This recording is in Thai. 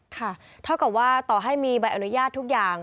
ค่ะเท่ากับว่าต่อให้มีใบอนุญาตทุกอย่าง